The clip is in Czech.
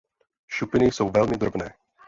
Šupiny jsou velmi drobné.